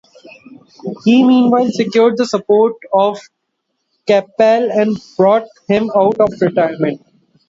He meanwhile secured the support of Capelle and brought him out of retirement.